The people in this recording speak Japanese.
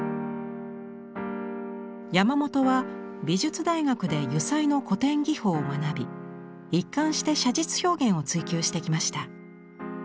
山本は美術大学で油彩の古典技法を学び一貫して写実表現を追求してきました。